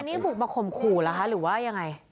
อันนี้บุกมาข่มขู่หรือว่ายังไง